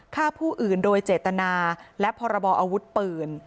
ฆ่าผู้อื่นโดยเจตนาและพรบออาวุธปืน